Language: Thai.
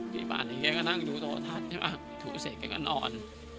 พี่บ้านเฮียก็นั่งดูโตทัศน์ถูกเสร็จกันก็นอน